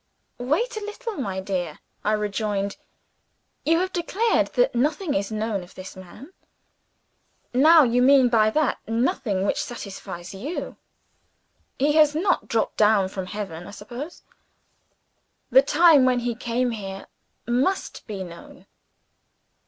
"Wait a little, my dear," I rejoined. "You have declared that nothing is known of this man. Now you mean by that nothing which satisfies you. He has not dropped down from Heaven, I suppose? The time when he came here, must be known.